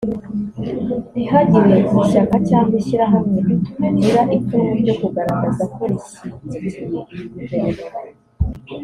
ntihakagire ishyaka cyangwa ishyirahamwe rigira ipfunwe ryo kugaragaza ko rishyigikiye iyi Guverinoma